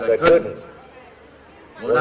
เกิดขึ้นมุมหาปัญหา